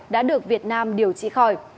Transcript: đã được việt nam điều trị khỏi